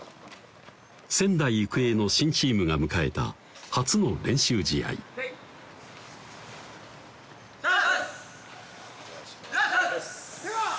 仙台育英の新チームが迎えた初の練習試合お願いします！